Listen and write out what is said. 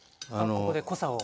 ここで濃さを。